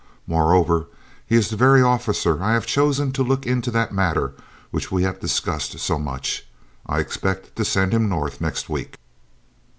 Moreover, he is the very officer I have chosen to look into that matter which we have discussed so much. I expect to send him North next week."